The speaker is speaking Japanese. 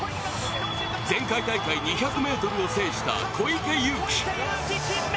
前回大会２００ｍを制した小池祐貴。